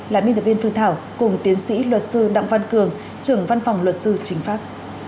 là biên tập viên phương thảo cùng tiến sĩ luật sư đặng văn cường trưởng văn phòng luật sư chính pháp